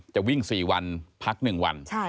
จะวิ่ง๔วันพัก๑วัน